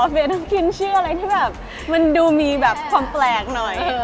เดี๋ยวต้องกินชื่ออะไรที่แบบมันดูมีแบบความแปลกหน่อย